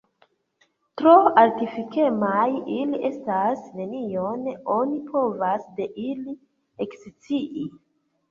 Tro artifikemaj ili estas, nenion oni povas de ili ekscii.